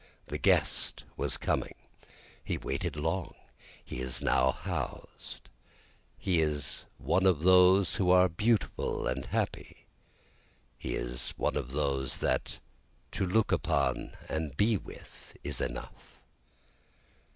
The guest that was coming, he waited long, he is now housed, He is one of those who are beautiful and happy, he is one of those that to look upon and be with is enough.